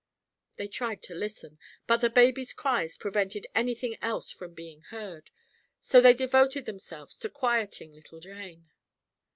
They tried to listen, but the baby's cries prevented anything else from being heard, so they devoted themselves to quieting little Jane.